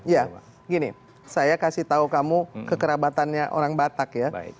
ya gini saya kasih tahu kamu kekerabatannya orang batak ya